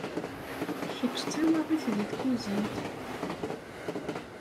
Kečč d tawaɣit deg tkuzint.